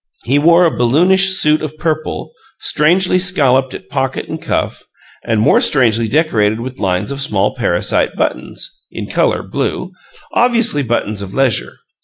He wore a balloonish suit of purple, strangely scalloped at pocket and cuff, and more strangely decorated with lines of small parasite buttons, in color blue, obviously buttons of leisure.